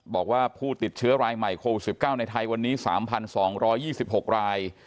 บอกว่าผู้ติดเชื้อรายใหม่โควิด๑๙ในไทยวันนี้๓๒๒๖ราย